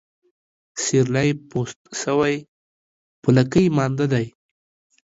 سيرلى پوست سوى ، په لکۍ مانده دى.